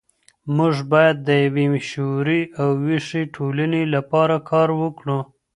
موږ بايد د يوې شعوري او ويښې ټولني لپاره کار وکړو.